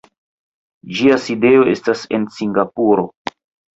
Ĝia sidejo estas en Singapuro.